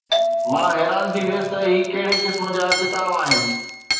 مان حيران ٿي ويس ته هي ڪهڙي قسم جا ڪتاب آهن.